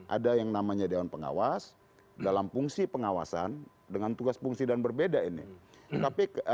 ada yang namanya dewan pengawas dalam fungsi pengawasan dengan tugas fungsi dan berbeda ini